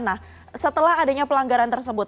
nah setelah adanya pelanggaran tersebut